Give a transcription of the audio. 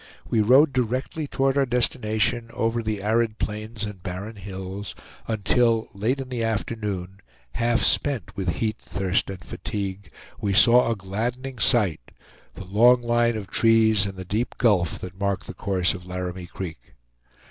We rode directly toward our destination, over the arid plains and barren hills, until, late in the afternoon, half spent with heat, thirst, and fatigue, we saw a gladdening sight; the long line of trees and the deep gulf that mark the course of Laramie Creek.